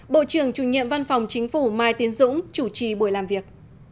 bộ trưởng chủ nhiệm văn phòng chính phủ mai tiến dũng chủ trì buổi làm việc